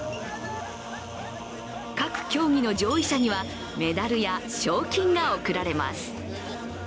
各競技の上位者には、メダルや賞金が贈られます。